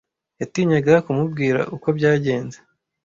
Yatinyaga kumubwira uko byagenze.